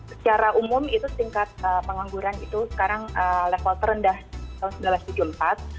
secara umum itu tingkat pengangguran itu sekarang level terendah tahun seribu sembilan ratus tujuh puluh empat